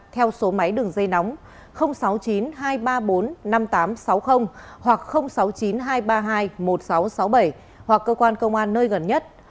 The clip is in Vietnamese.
theo số máy đường dây nóng sáu mươi chín hai trăm ba mươi bốn năm nghìn tám trăm sáu mươi hoặc sáu mươi chín hai trăm ba mươi hai một nghìn sáu trăm sáu mươi bảy hoặc cơ quan công an nơi gần nhất